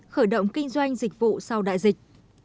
khởi động kinh doanh dịch vụ sau đại dịch